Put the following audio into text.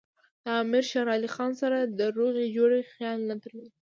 د امیر شېر علي خان سره د روغې جوړې خیال نه درلود.